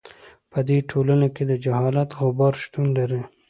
په دې ټولنه کې د جهالت غبار شتون نه لري.